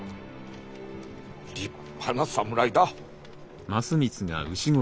立派な侍だ！